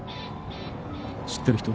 知ってる人？